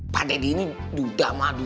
pada dini duda madudah